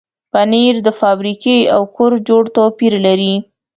پنېر د فابریکې او کور جوړ توپیر لري.